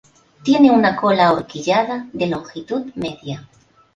Tiene una cola ahorquillada de longitud media.